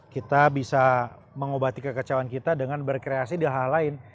kita bisa mengobati kekecewaan kita dengan berkreasi di hal lain